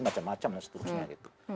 macam macam dan seterusnya gitu